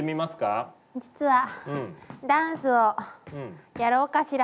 実はダンスをやろうかしら。